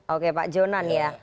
oke pak jonan ya